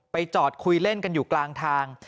จอดคุยเล่นกันอยู่กลางทาง